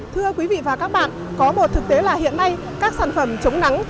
thưa quý vị và các bạn có một thực tế là hiện nay các sản phẩm chống nắng